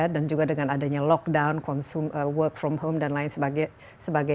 dan juga dengan adanya lockdown warna